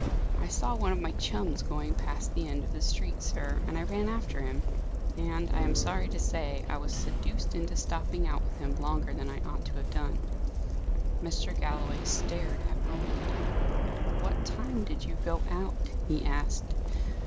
I saw one of my chums going past the end of the street, sir, and I ran after him. And I am sorry to say I was seduced into stopping out with him longer than I ought to have done." Mr. Galloway stared at Roland. "At what time did you go out?" he asked.